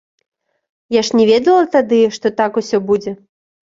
Я ж не ведала тады, што так усё будзе.